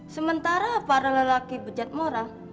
sementara para lelaki pejat mora